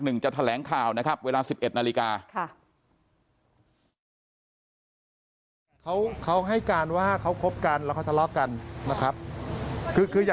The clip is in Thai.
ที่จะแถลงค่าววิธี๑๑นาฬิกา